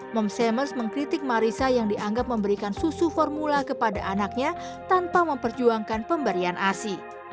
mom shamers mengkritik marissa yang dianggap memberikan susu formula kepada anaknya tanpa memperjuangkan pemberian asi